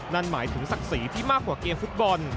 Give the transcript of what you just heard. นั่นหมายถึงศักดิ์ศรีที่มากกว่าเกมฟุตบอล